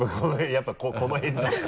やっぱこの辺じゃない？